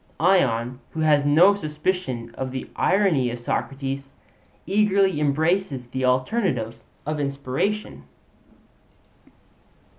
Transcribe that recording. Ion, who has no suspicion of the irony of Socrates, eagerly embraces the alternative of inspiration.